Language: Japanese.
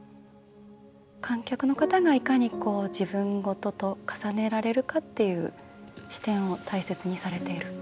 観客の方が、いかに自分ごとと重ねられるかという視点を大切にされている。